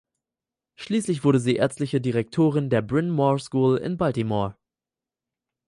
Schließlich wurde sie ärztliche Direktorin der Bryn Mawr School in Baltimore.